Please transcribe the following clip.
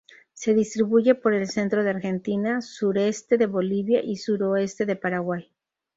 Se distribuye por el centro de Argentina, Sureste de Bolivia y Suroeste de Paraguay.